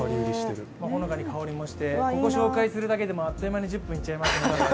ほのかに香りもして、ここを紹介するだけでもあっという間に１０分いっちゃいますね。